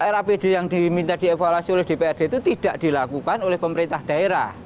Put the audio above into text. rapd yang diminta dievaluasi oleh dprd itu tidak dilakukan oleh pemerintah daerah